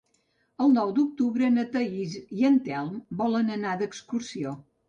El nou d'octubre na Thaís i en Telm volen anar d'excursió.